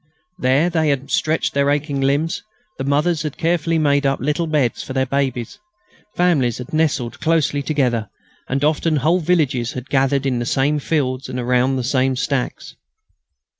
There they had stretched their aching limbs, the mothers had carefully made up little beds for their babies, families had nestled closely together, and often whole villages had gathered in the same fields and around the same stacks.